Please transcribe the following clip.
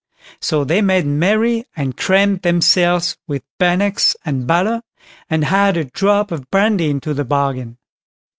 So they made merry, and crammed themselves with bannocks and butter, and had a drop of brandy into the bargain.